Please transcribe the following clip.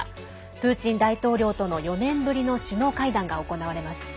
プーチン大統領との４年ぶりの首脳会談が行われます。